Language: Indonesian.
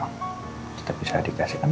kita bisa dikasihkan